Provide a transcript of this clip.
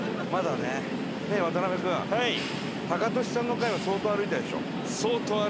ねえ渡辺君タカトシさんの回は相当歩いたでしょ？